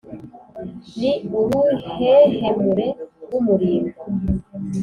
ni uruhehemure rw' umurimbo.